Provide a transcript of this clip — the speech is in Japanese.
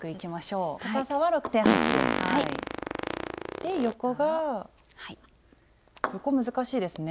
で横が横難しいですね。